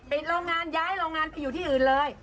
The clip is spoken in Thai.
โรงงานย้ายโรงงานไปอยู่ที่อื่นเลย